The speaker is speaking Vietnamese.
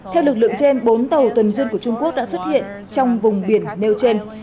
theo lực lượng trên bốn tàu tuần duyên của trung quốc đã xuất hiện trong vùng biển nêu trên